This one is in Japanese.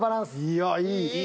いやいい！